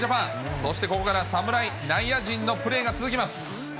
そしてここから、侍内野陣のプレーが続きます。